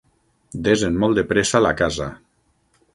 Desen molt de pressa la casa.